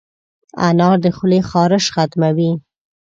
انار د خولې خارش ختموي.